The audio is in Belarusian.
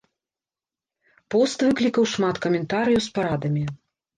Пост выклікаў шмат каментарыяў з парадамі.